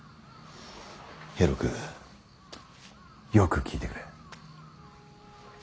平六よく聞いてくれ。